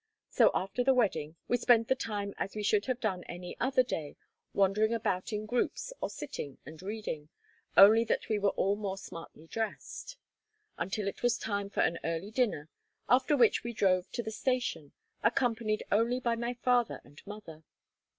So after the wedding, we spent the time as we should have done any other day, wandering about in groups, or sitting and reading, only that we were all more smartly dressed; until it was time for an early dinner, after which we drove to the station, accompanied only by my father and mother.